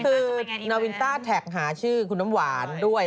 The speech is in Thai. คือนาวินต้าแท็กหาชื่อคุณน้ำหวานด้วย